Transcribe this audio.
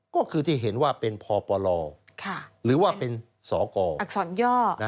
ก็คือที่เห็นว่าเป็นพปลหรือว่าเป็นสกอักษรย่อ